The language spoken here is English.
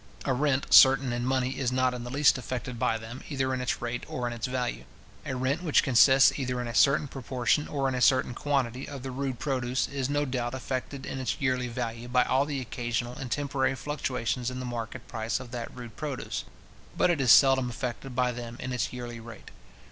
A rent certain in money is not in the least affected by them, either in its rate or in its value. A rent which consists either in a certain proportion, or in a certain quantity, of the rude produce, is no doubt affected in its yearly value by all the occasional and temporary fluctuations in the market price of that rude produce; but it is seldom affected by them in its yearly rate.